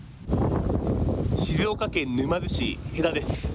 静岡県沼津市戸田です。